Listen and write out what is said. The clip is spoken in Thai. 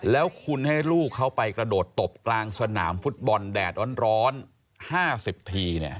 แล้วคุณให้ลูกเขาไปกระโดดตบกลางสนามฟุตบอลแดดร้อน๕๐ที